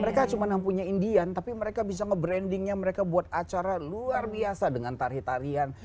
mereka cuma yang punya indian tapi mereka bisa ngebrandingnya mereka buat acara luar biasa dengan tarian tarian